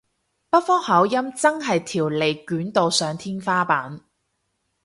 北方口音真係條脷捲到上天花板